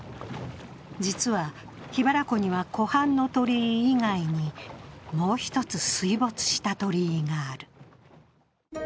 実は、桧原湖には湖畔の鳥居以外にもう一つ水没した鳥居がある。